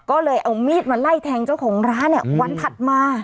ก็เลยเอามีดมาไล่แทงเจ้าของร้านเนี่ยวันถัดมา